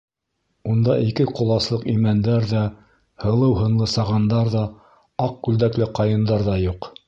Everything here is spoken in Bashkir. Унда ике ҡоласлыҡ имәндәр ҙә, һылыу һынлы сағандар ҙа, аҡ күлдәкле ҡайындар ҙа юҡ.